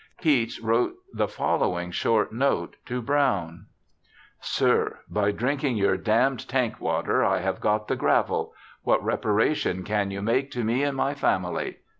Keats wrote the following short note to Brown : Sir, — By drinking your damn'd tank water I have got the gravel. What reparation can you make to me and my family